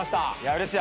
うれしい。